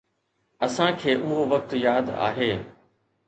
اسان کي اهو وقت ياد آهي.